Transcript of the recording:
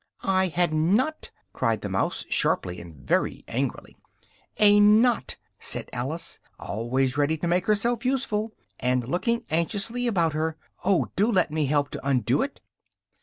"I had not!" cried the mouse, sharply and very angrily. "A knot!" said Alice, always ready to make herself useful, and looking anxiously about her, "oh, do let me help to undo it!"